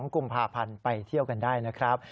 ๒กุมภาพันธ์ไปเที่ยวกันได้นะครับ